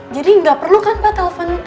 jadi gak perlu kan pak telfon